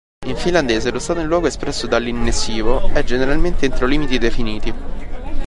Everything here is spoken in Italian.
In finlandese lo stato in luogo espresso dall'inessivo è generalmente entro limiti definiti.